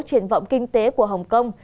truyền vọng kinh tế của hồng kông